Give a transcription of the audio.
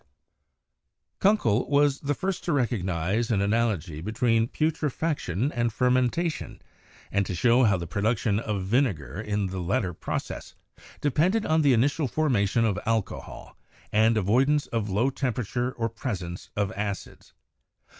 THE EARLY PHLOGISTIC PERIOD 99 Kunckel was the first to recognize an analogy between putrefaction and fermentation, and to show how the pro duction of vinegar in the latter process depended on the initial formation of alcohol and avoidance of low tem Modern Forms of Blowpipes. perature or presence of acids.